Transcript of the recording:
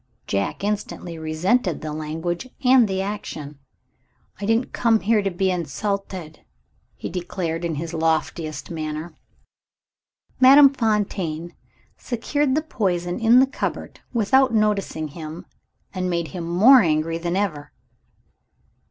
Jack instantly resented the language and the action. "I didn't come here to be insulted," he declared in his loftiest manner. Madame Fontaine secured the poison in the cupboard without noticing him, and made him more angry than ever.